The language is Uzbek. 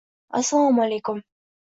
Assalomu aleykum.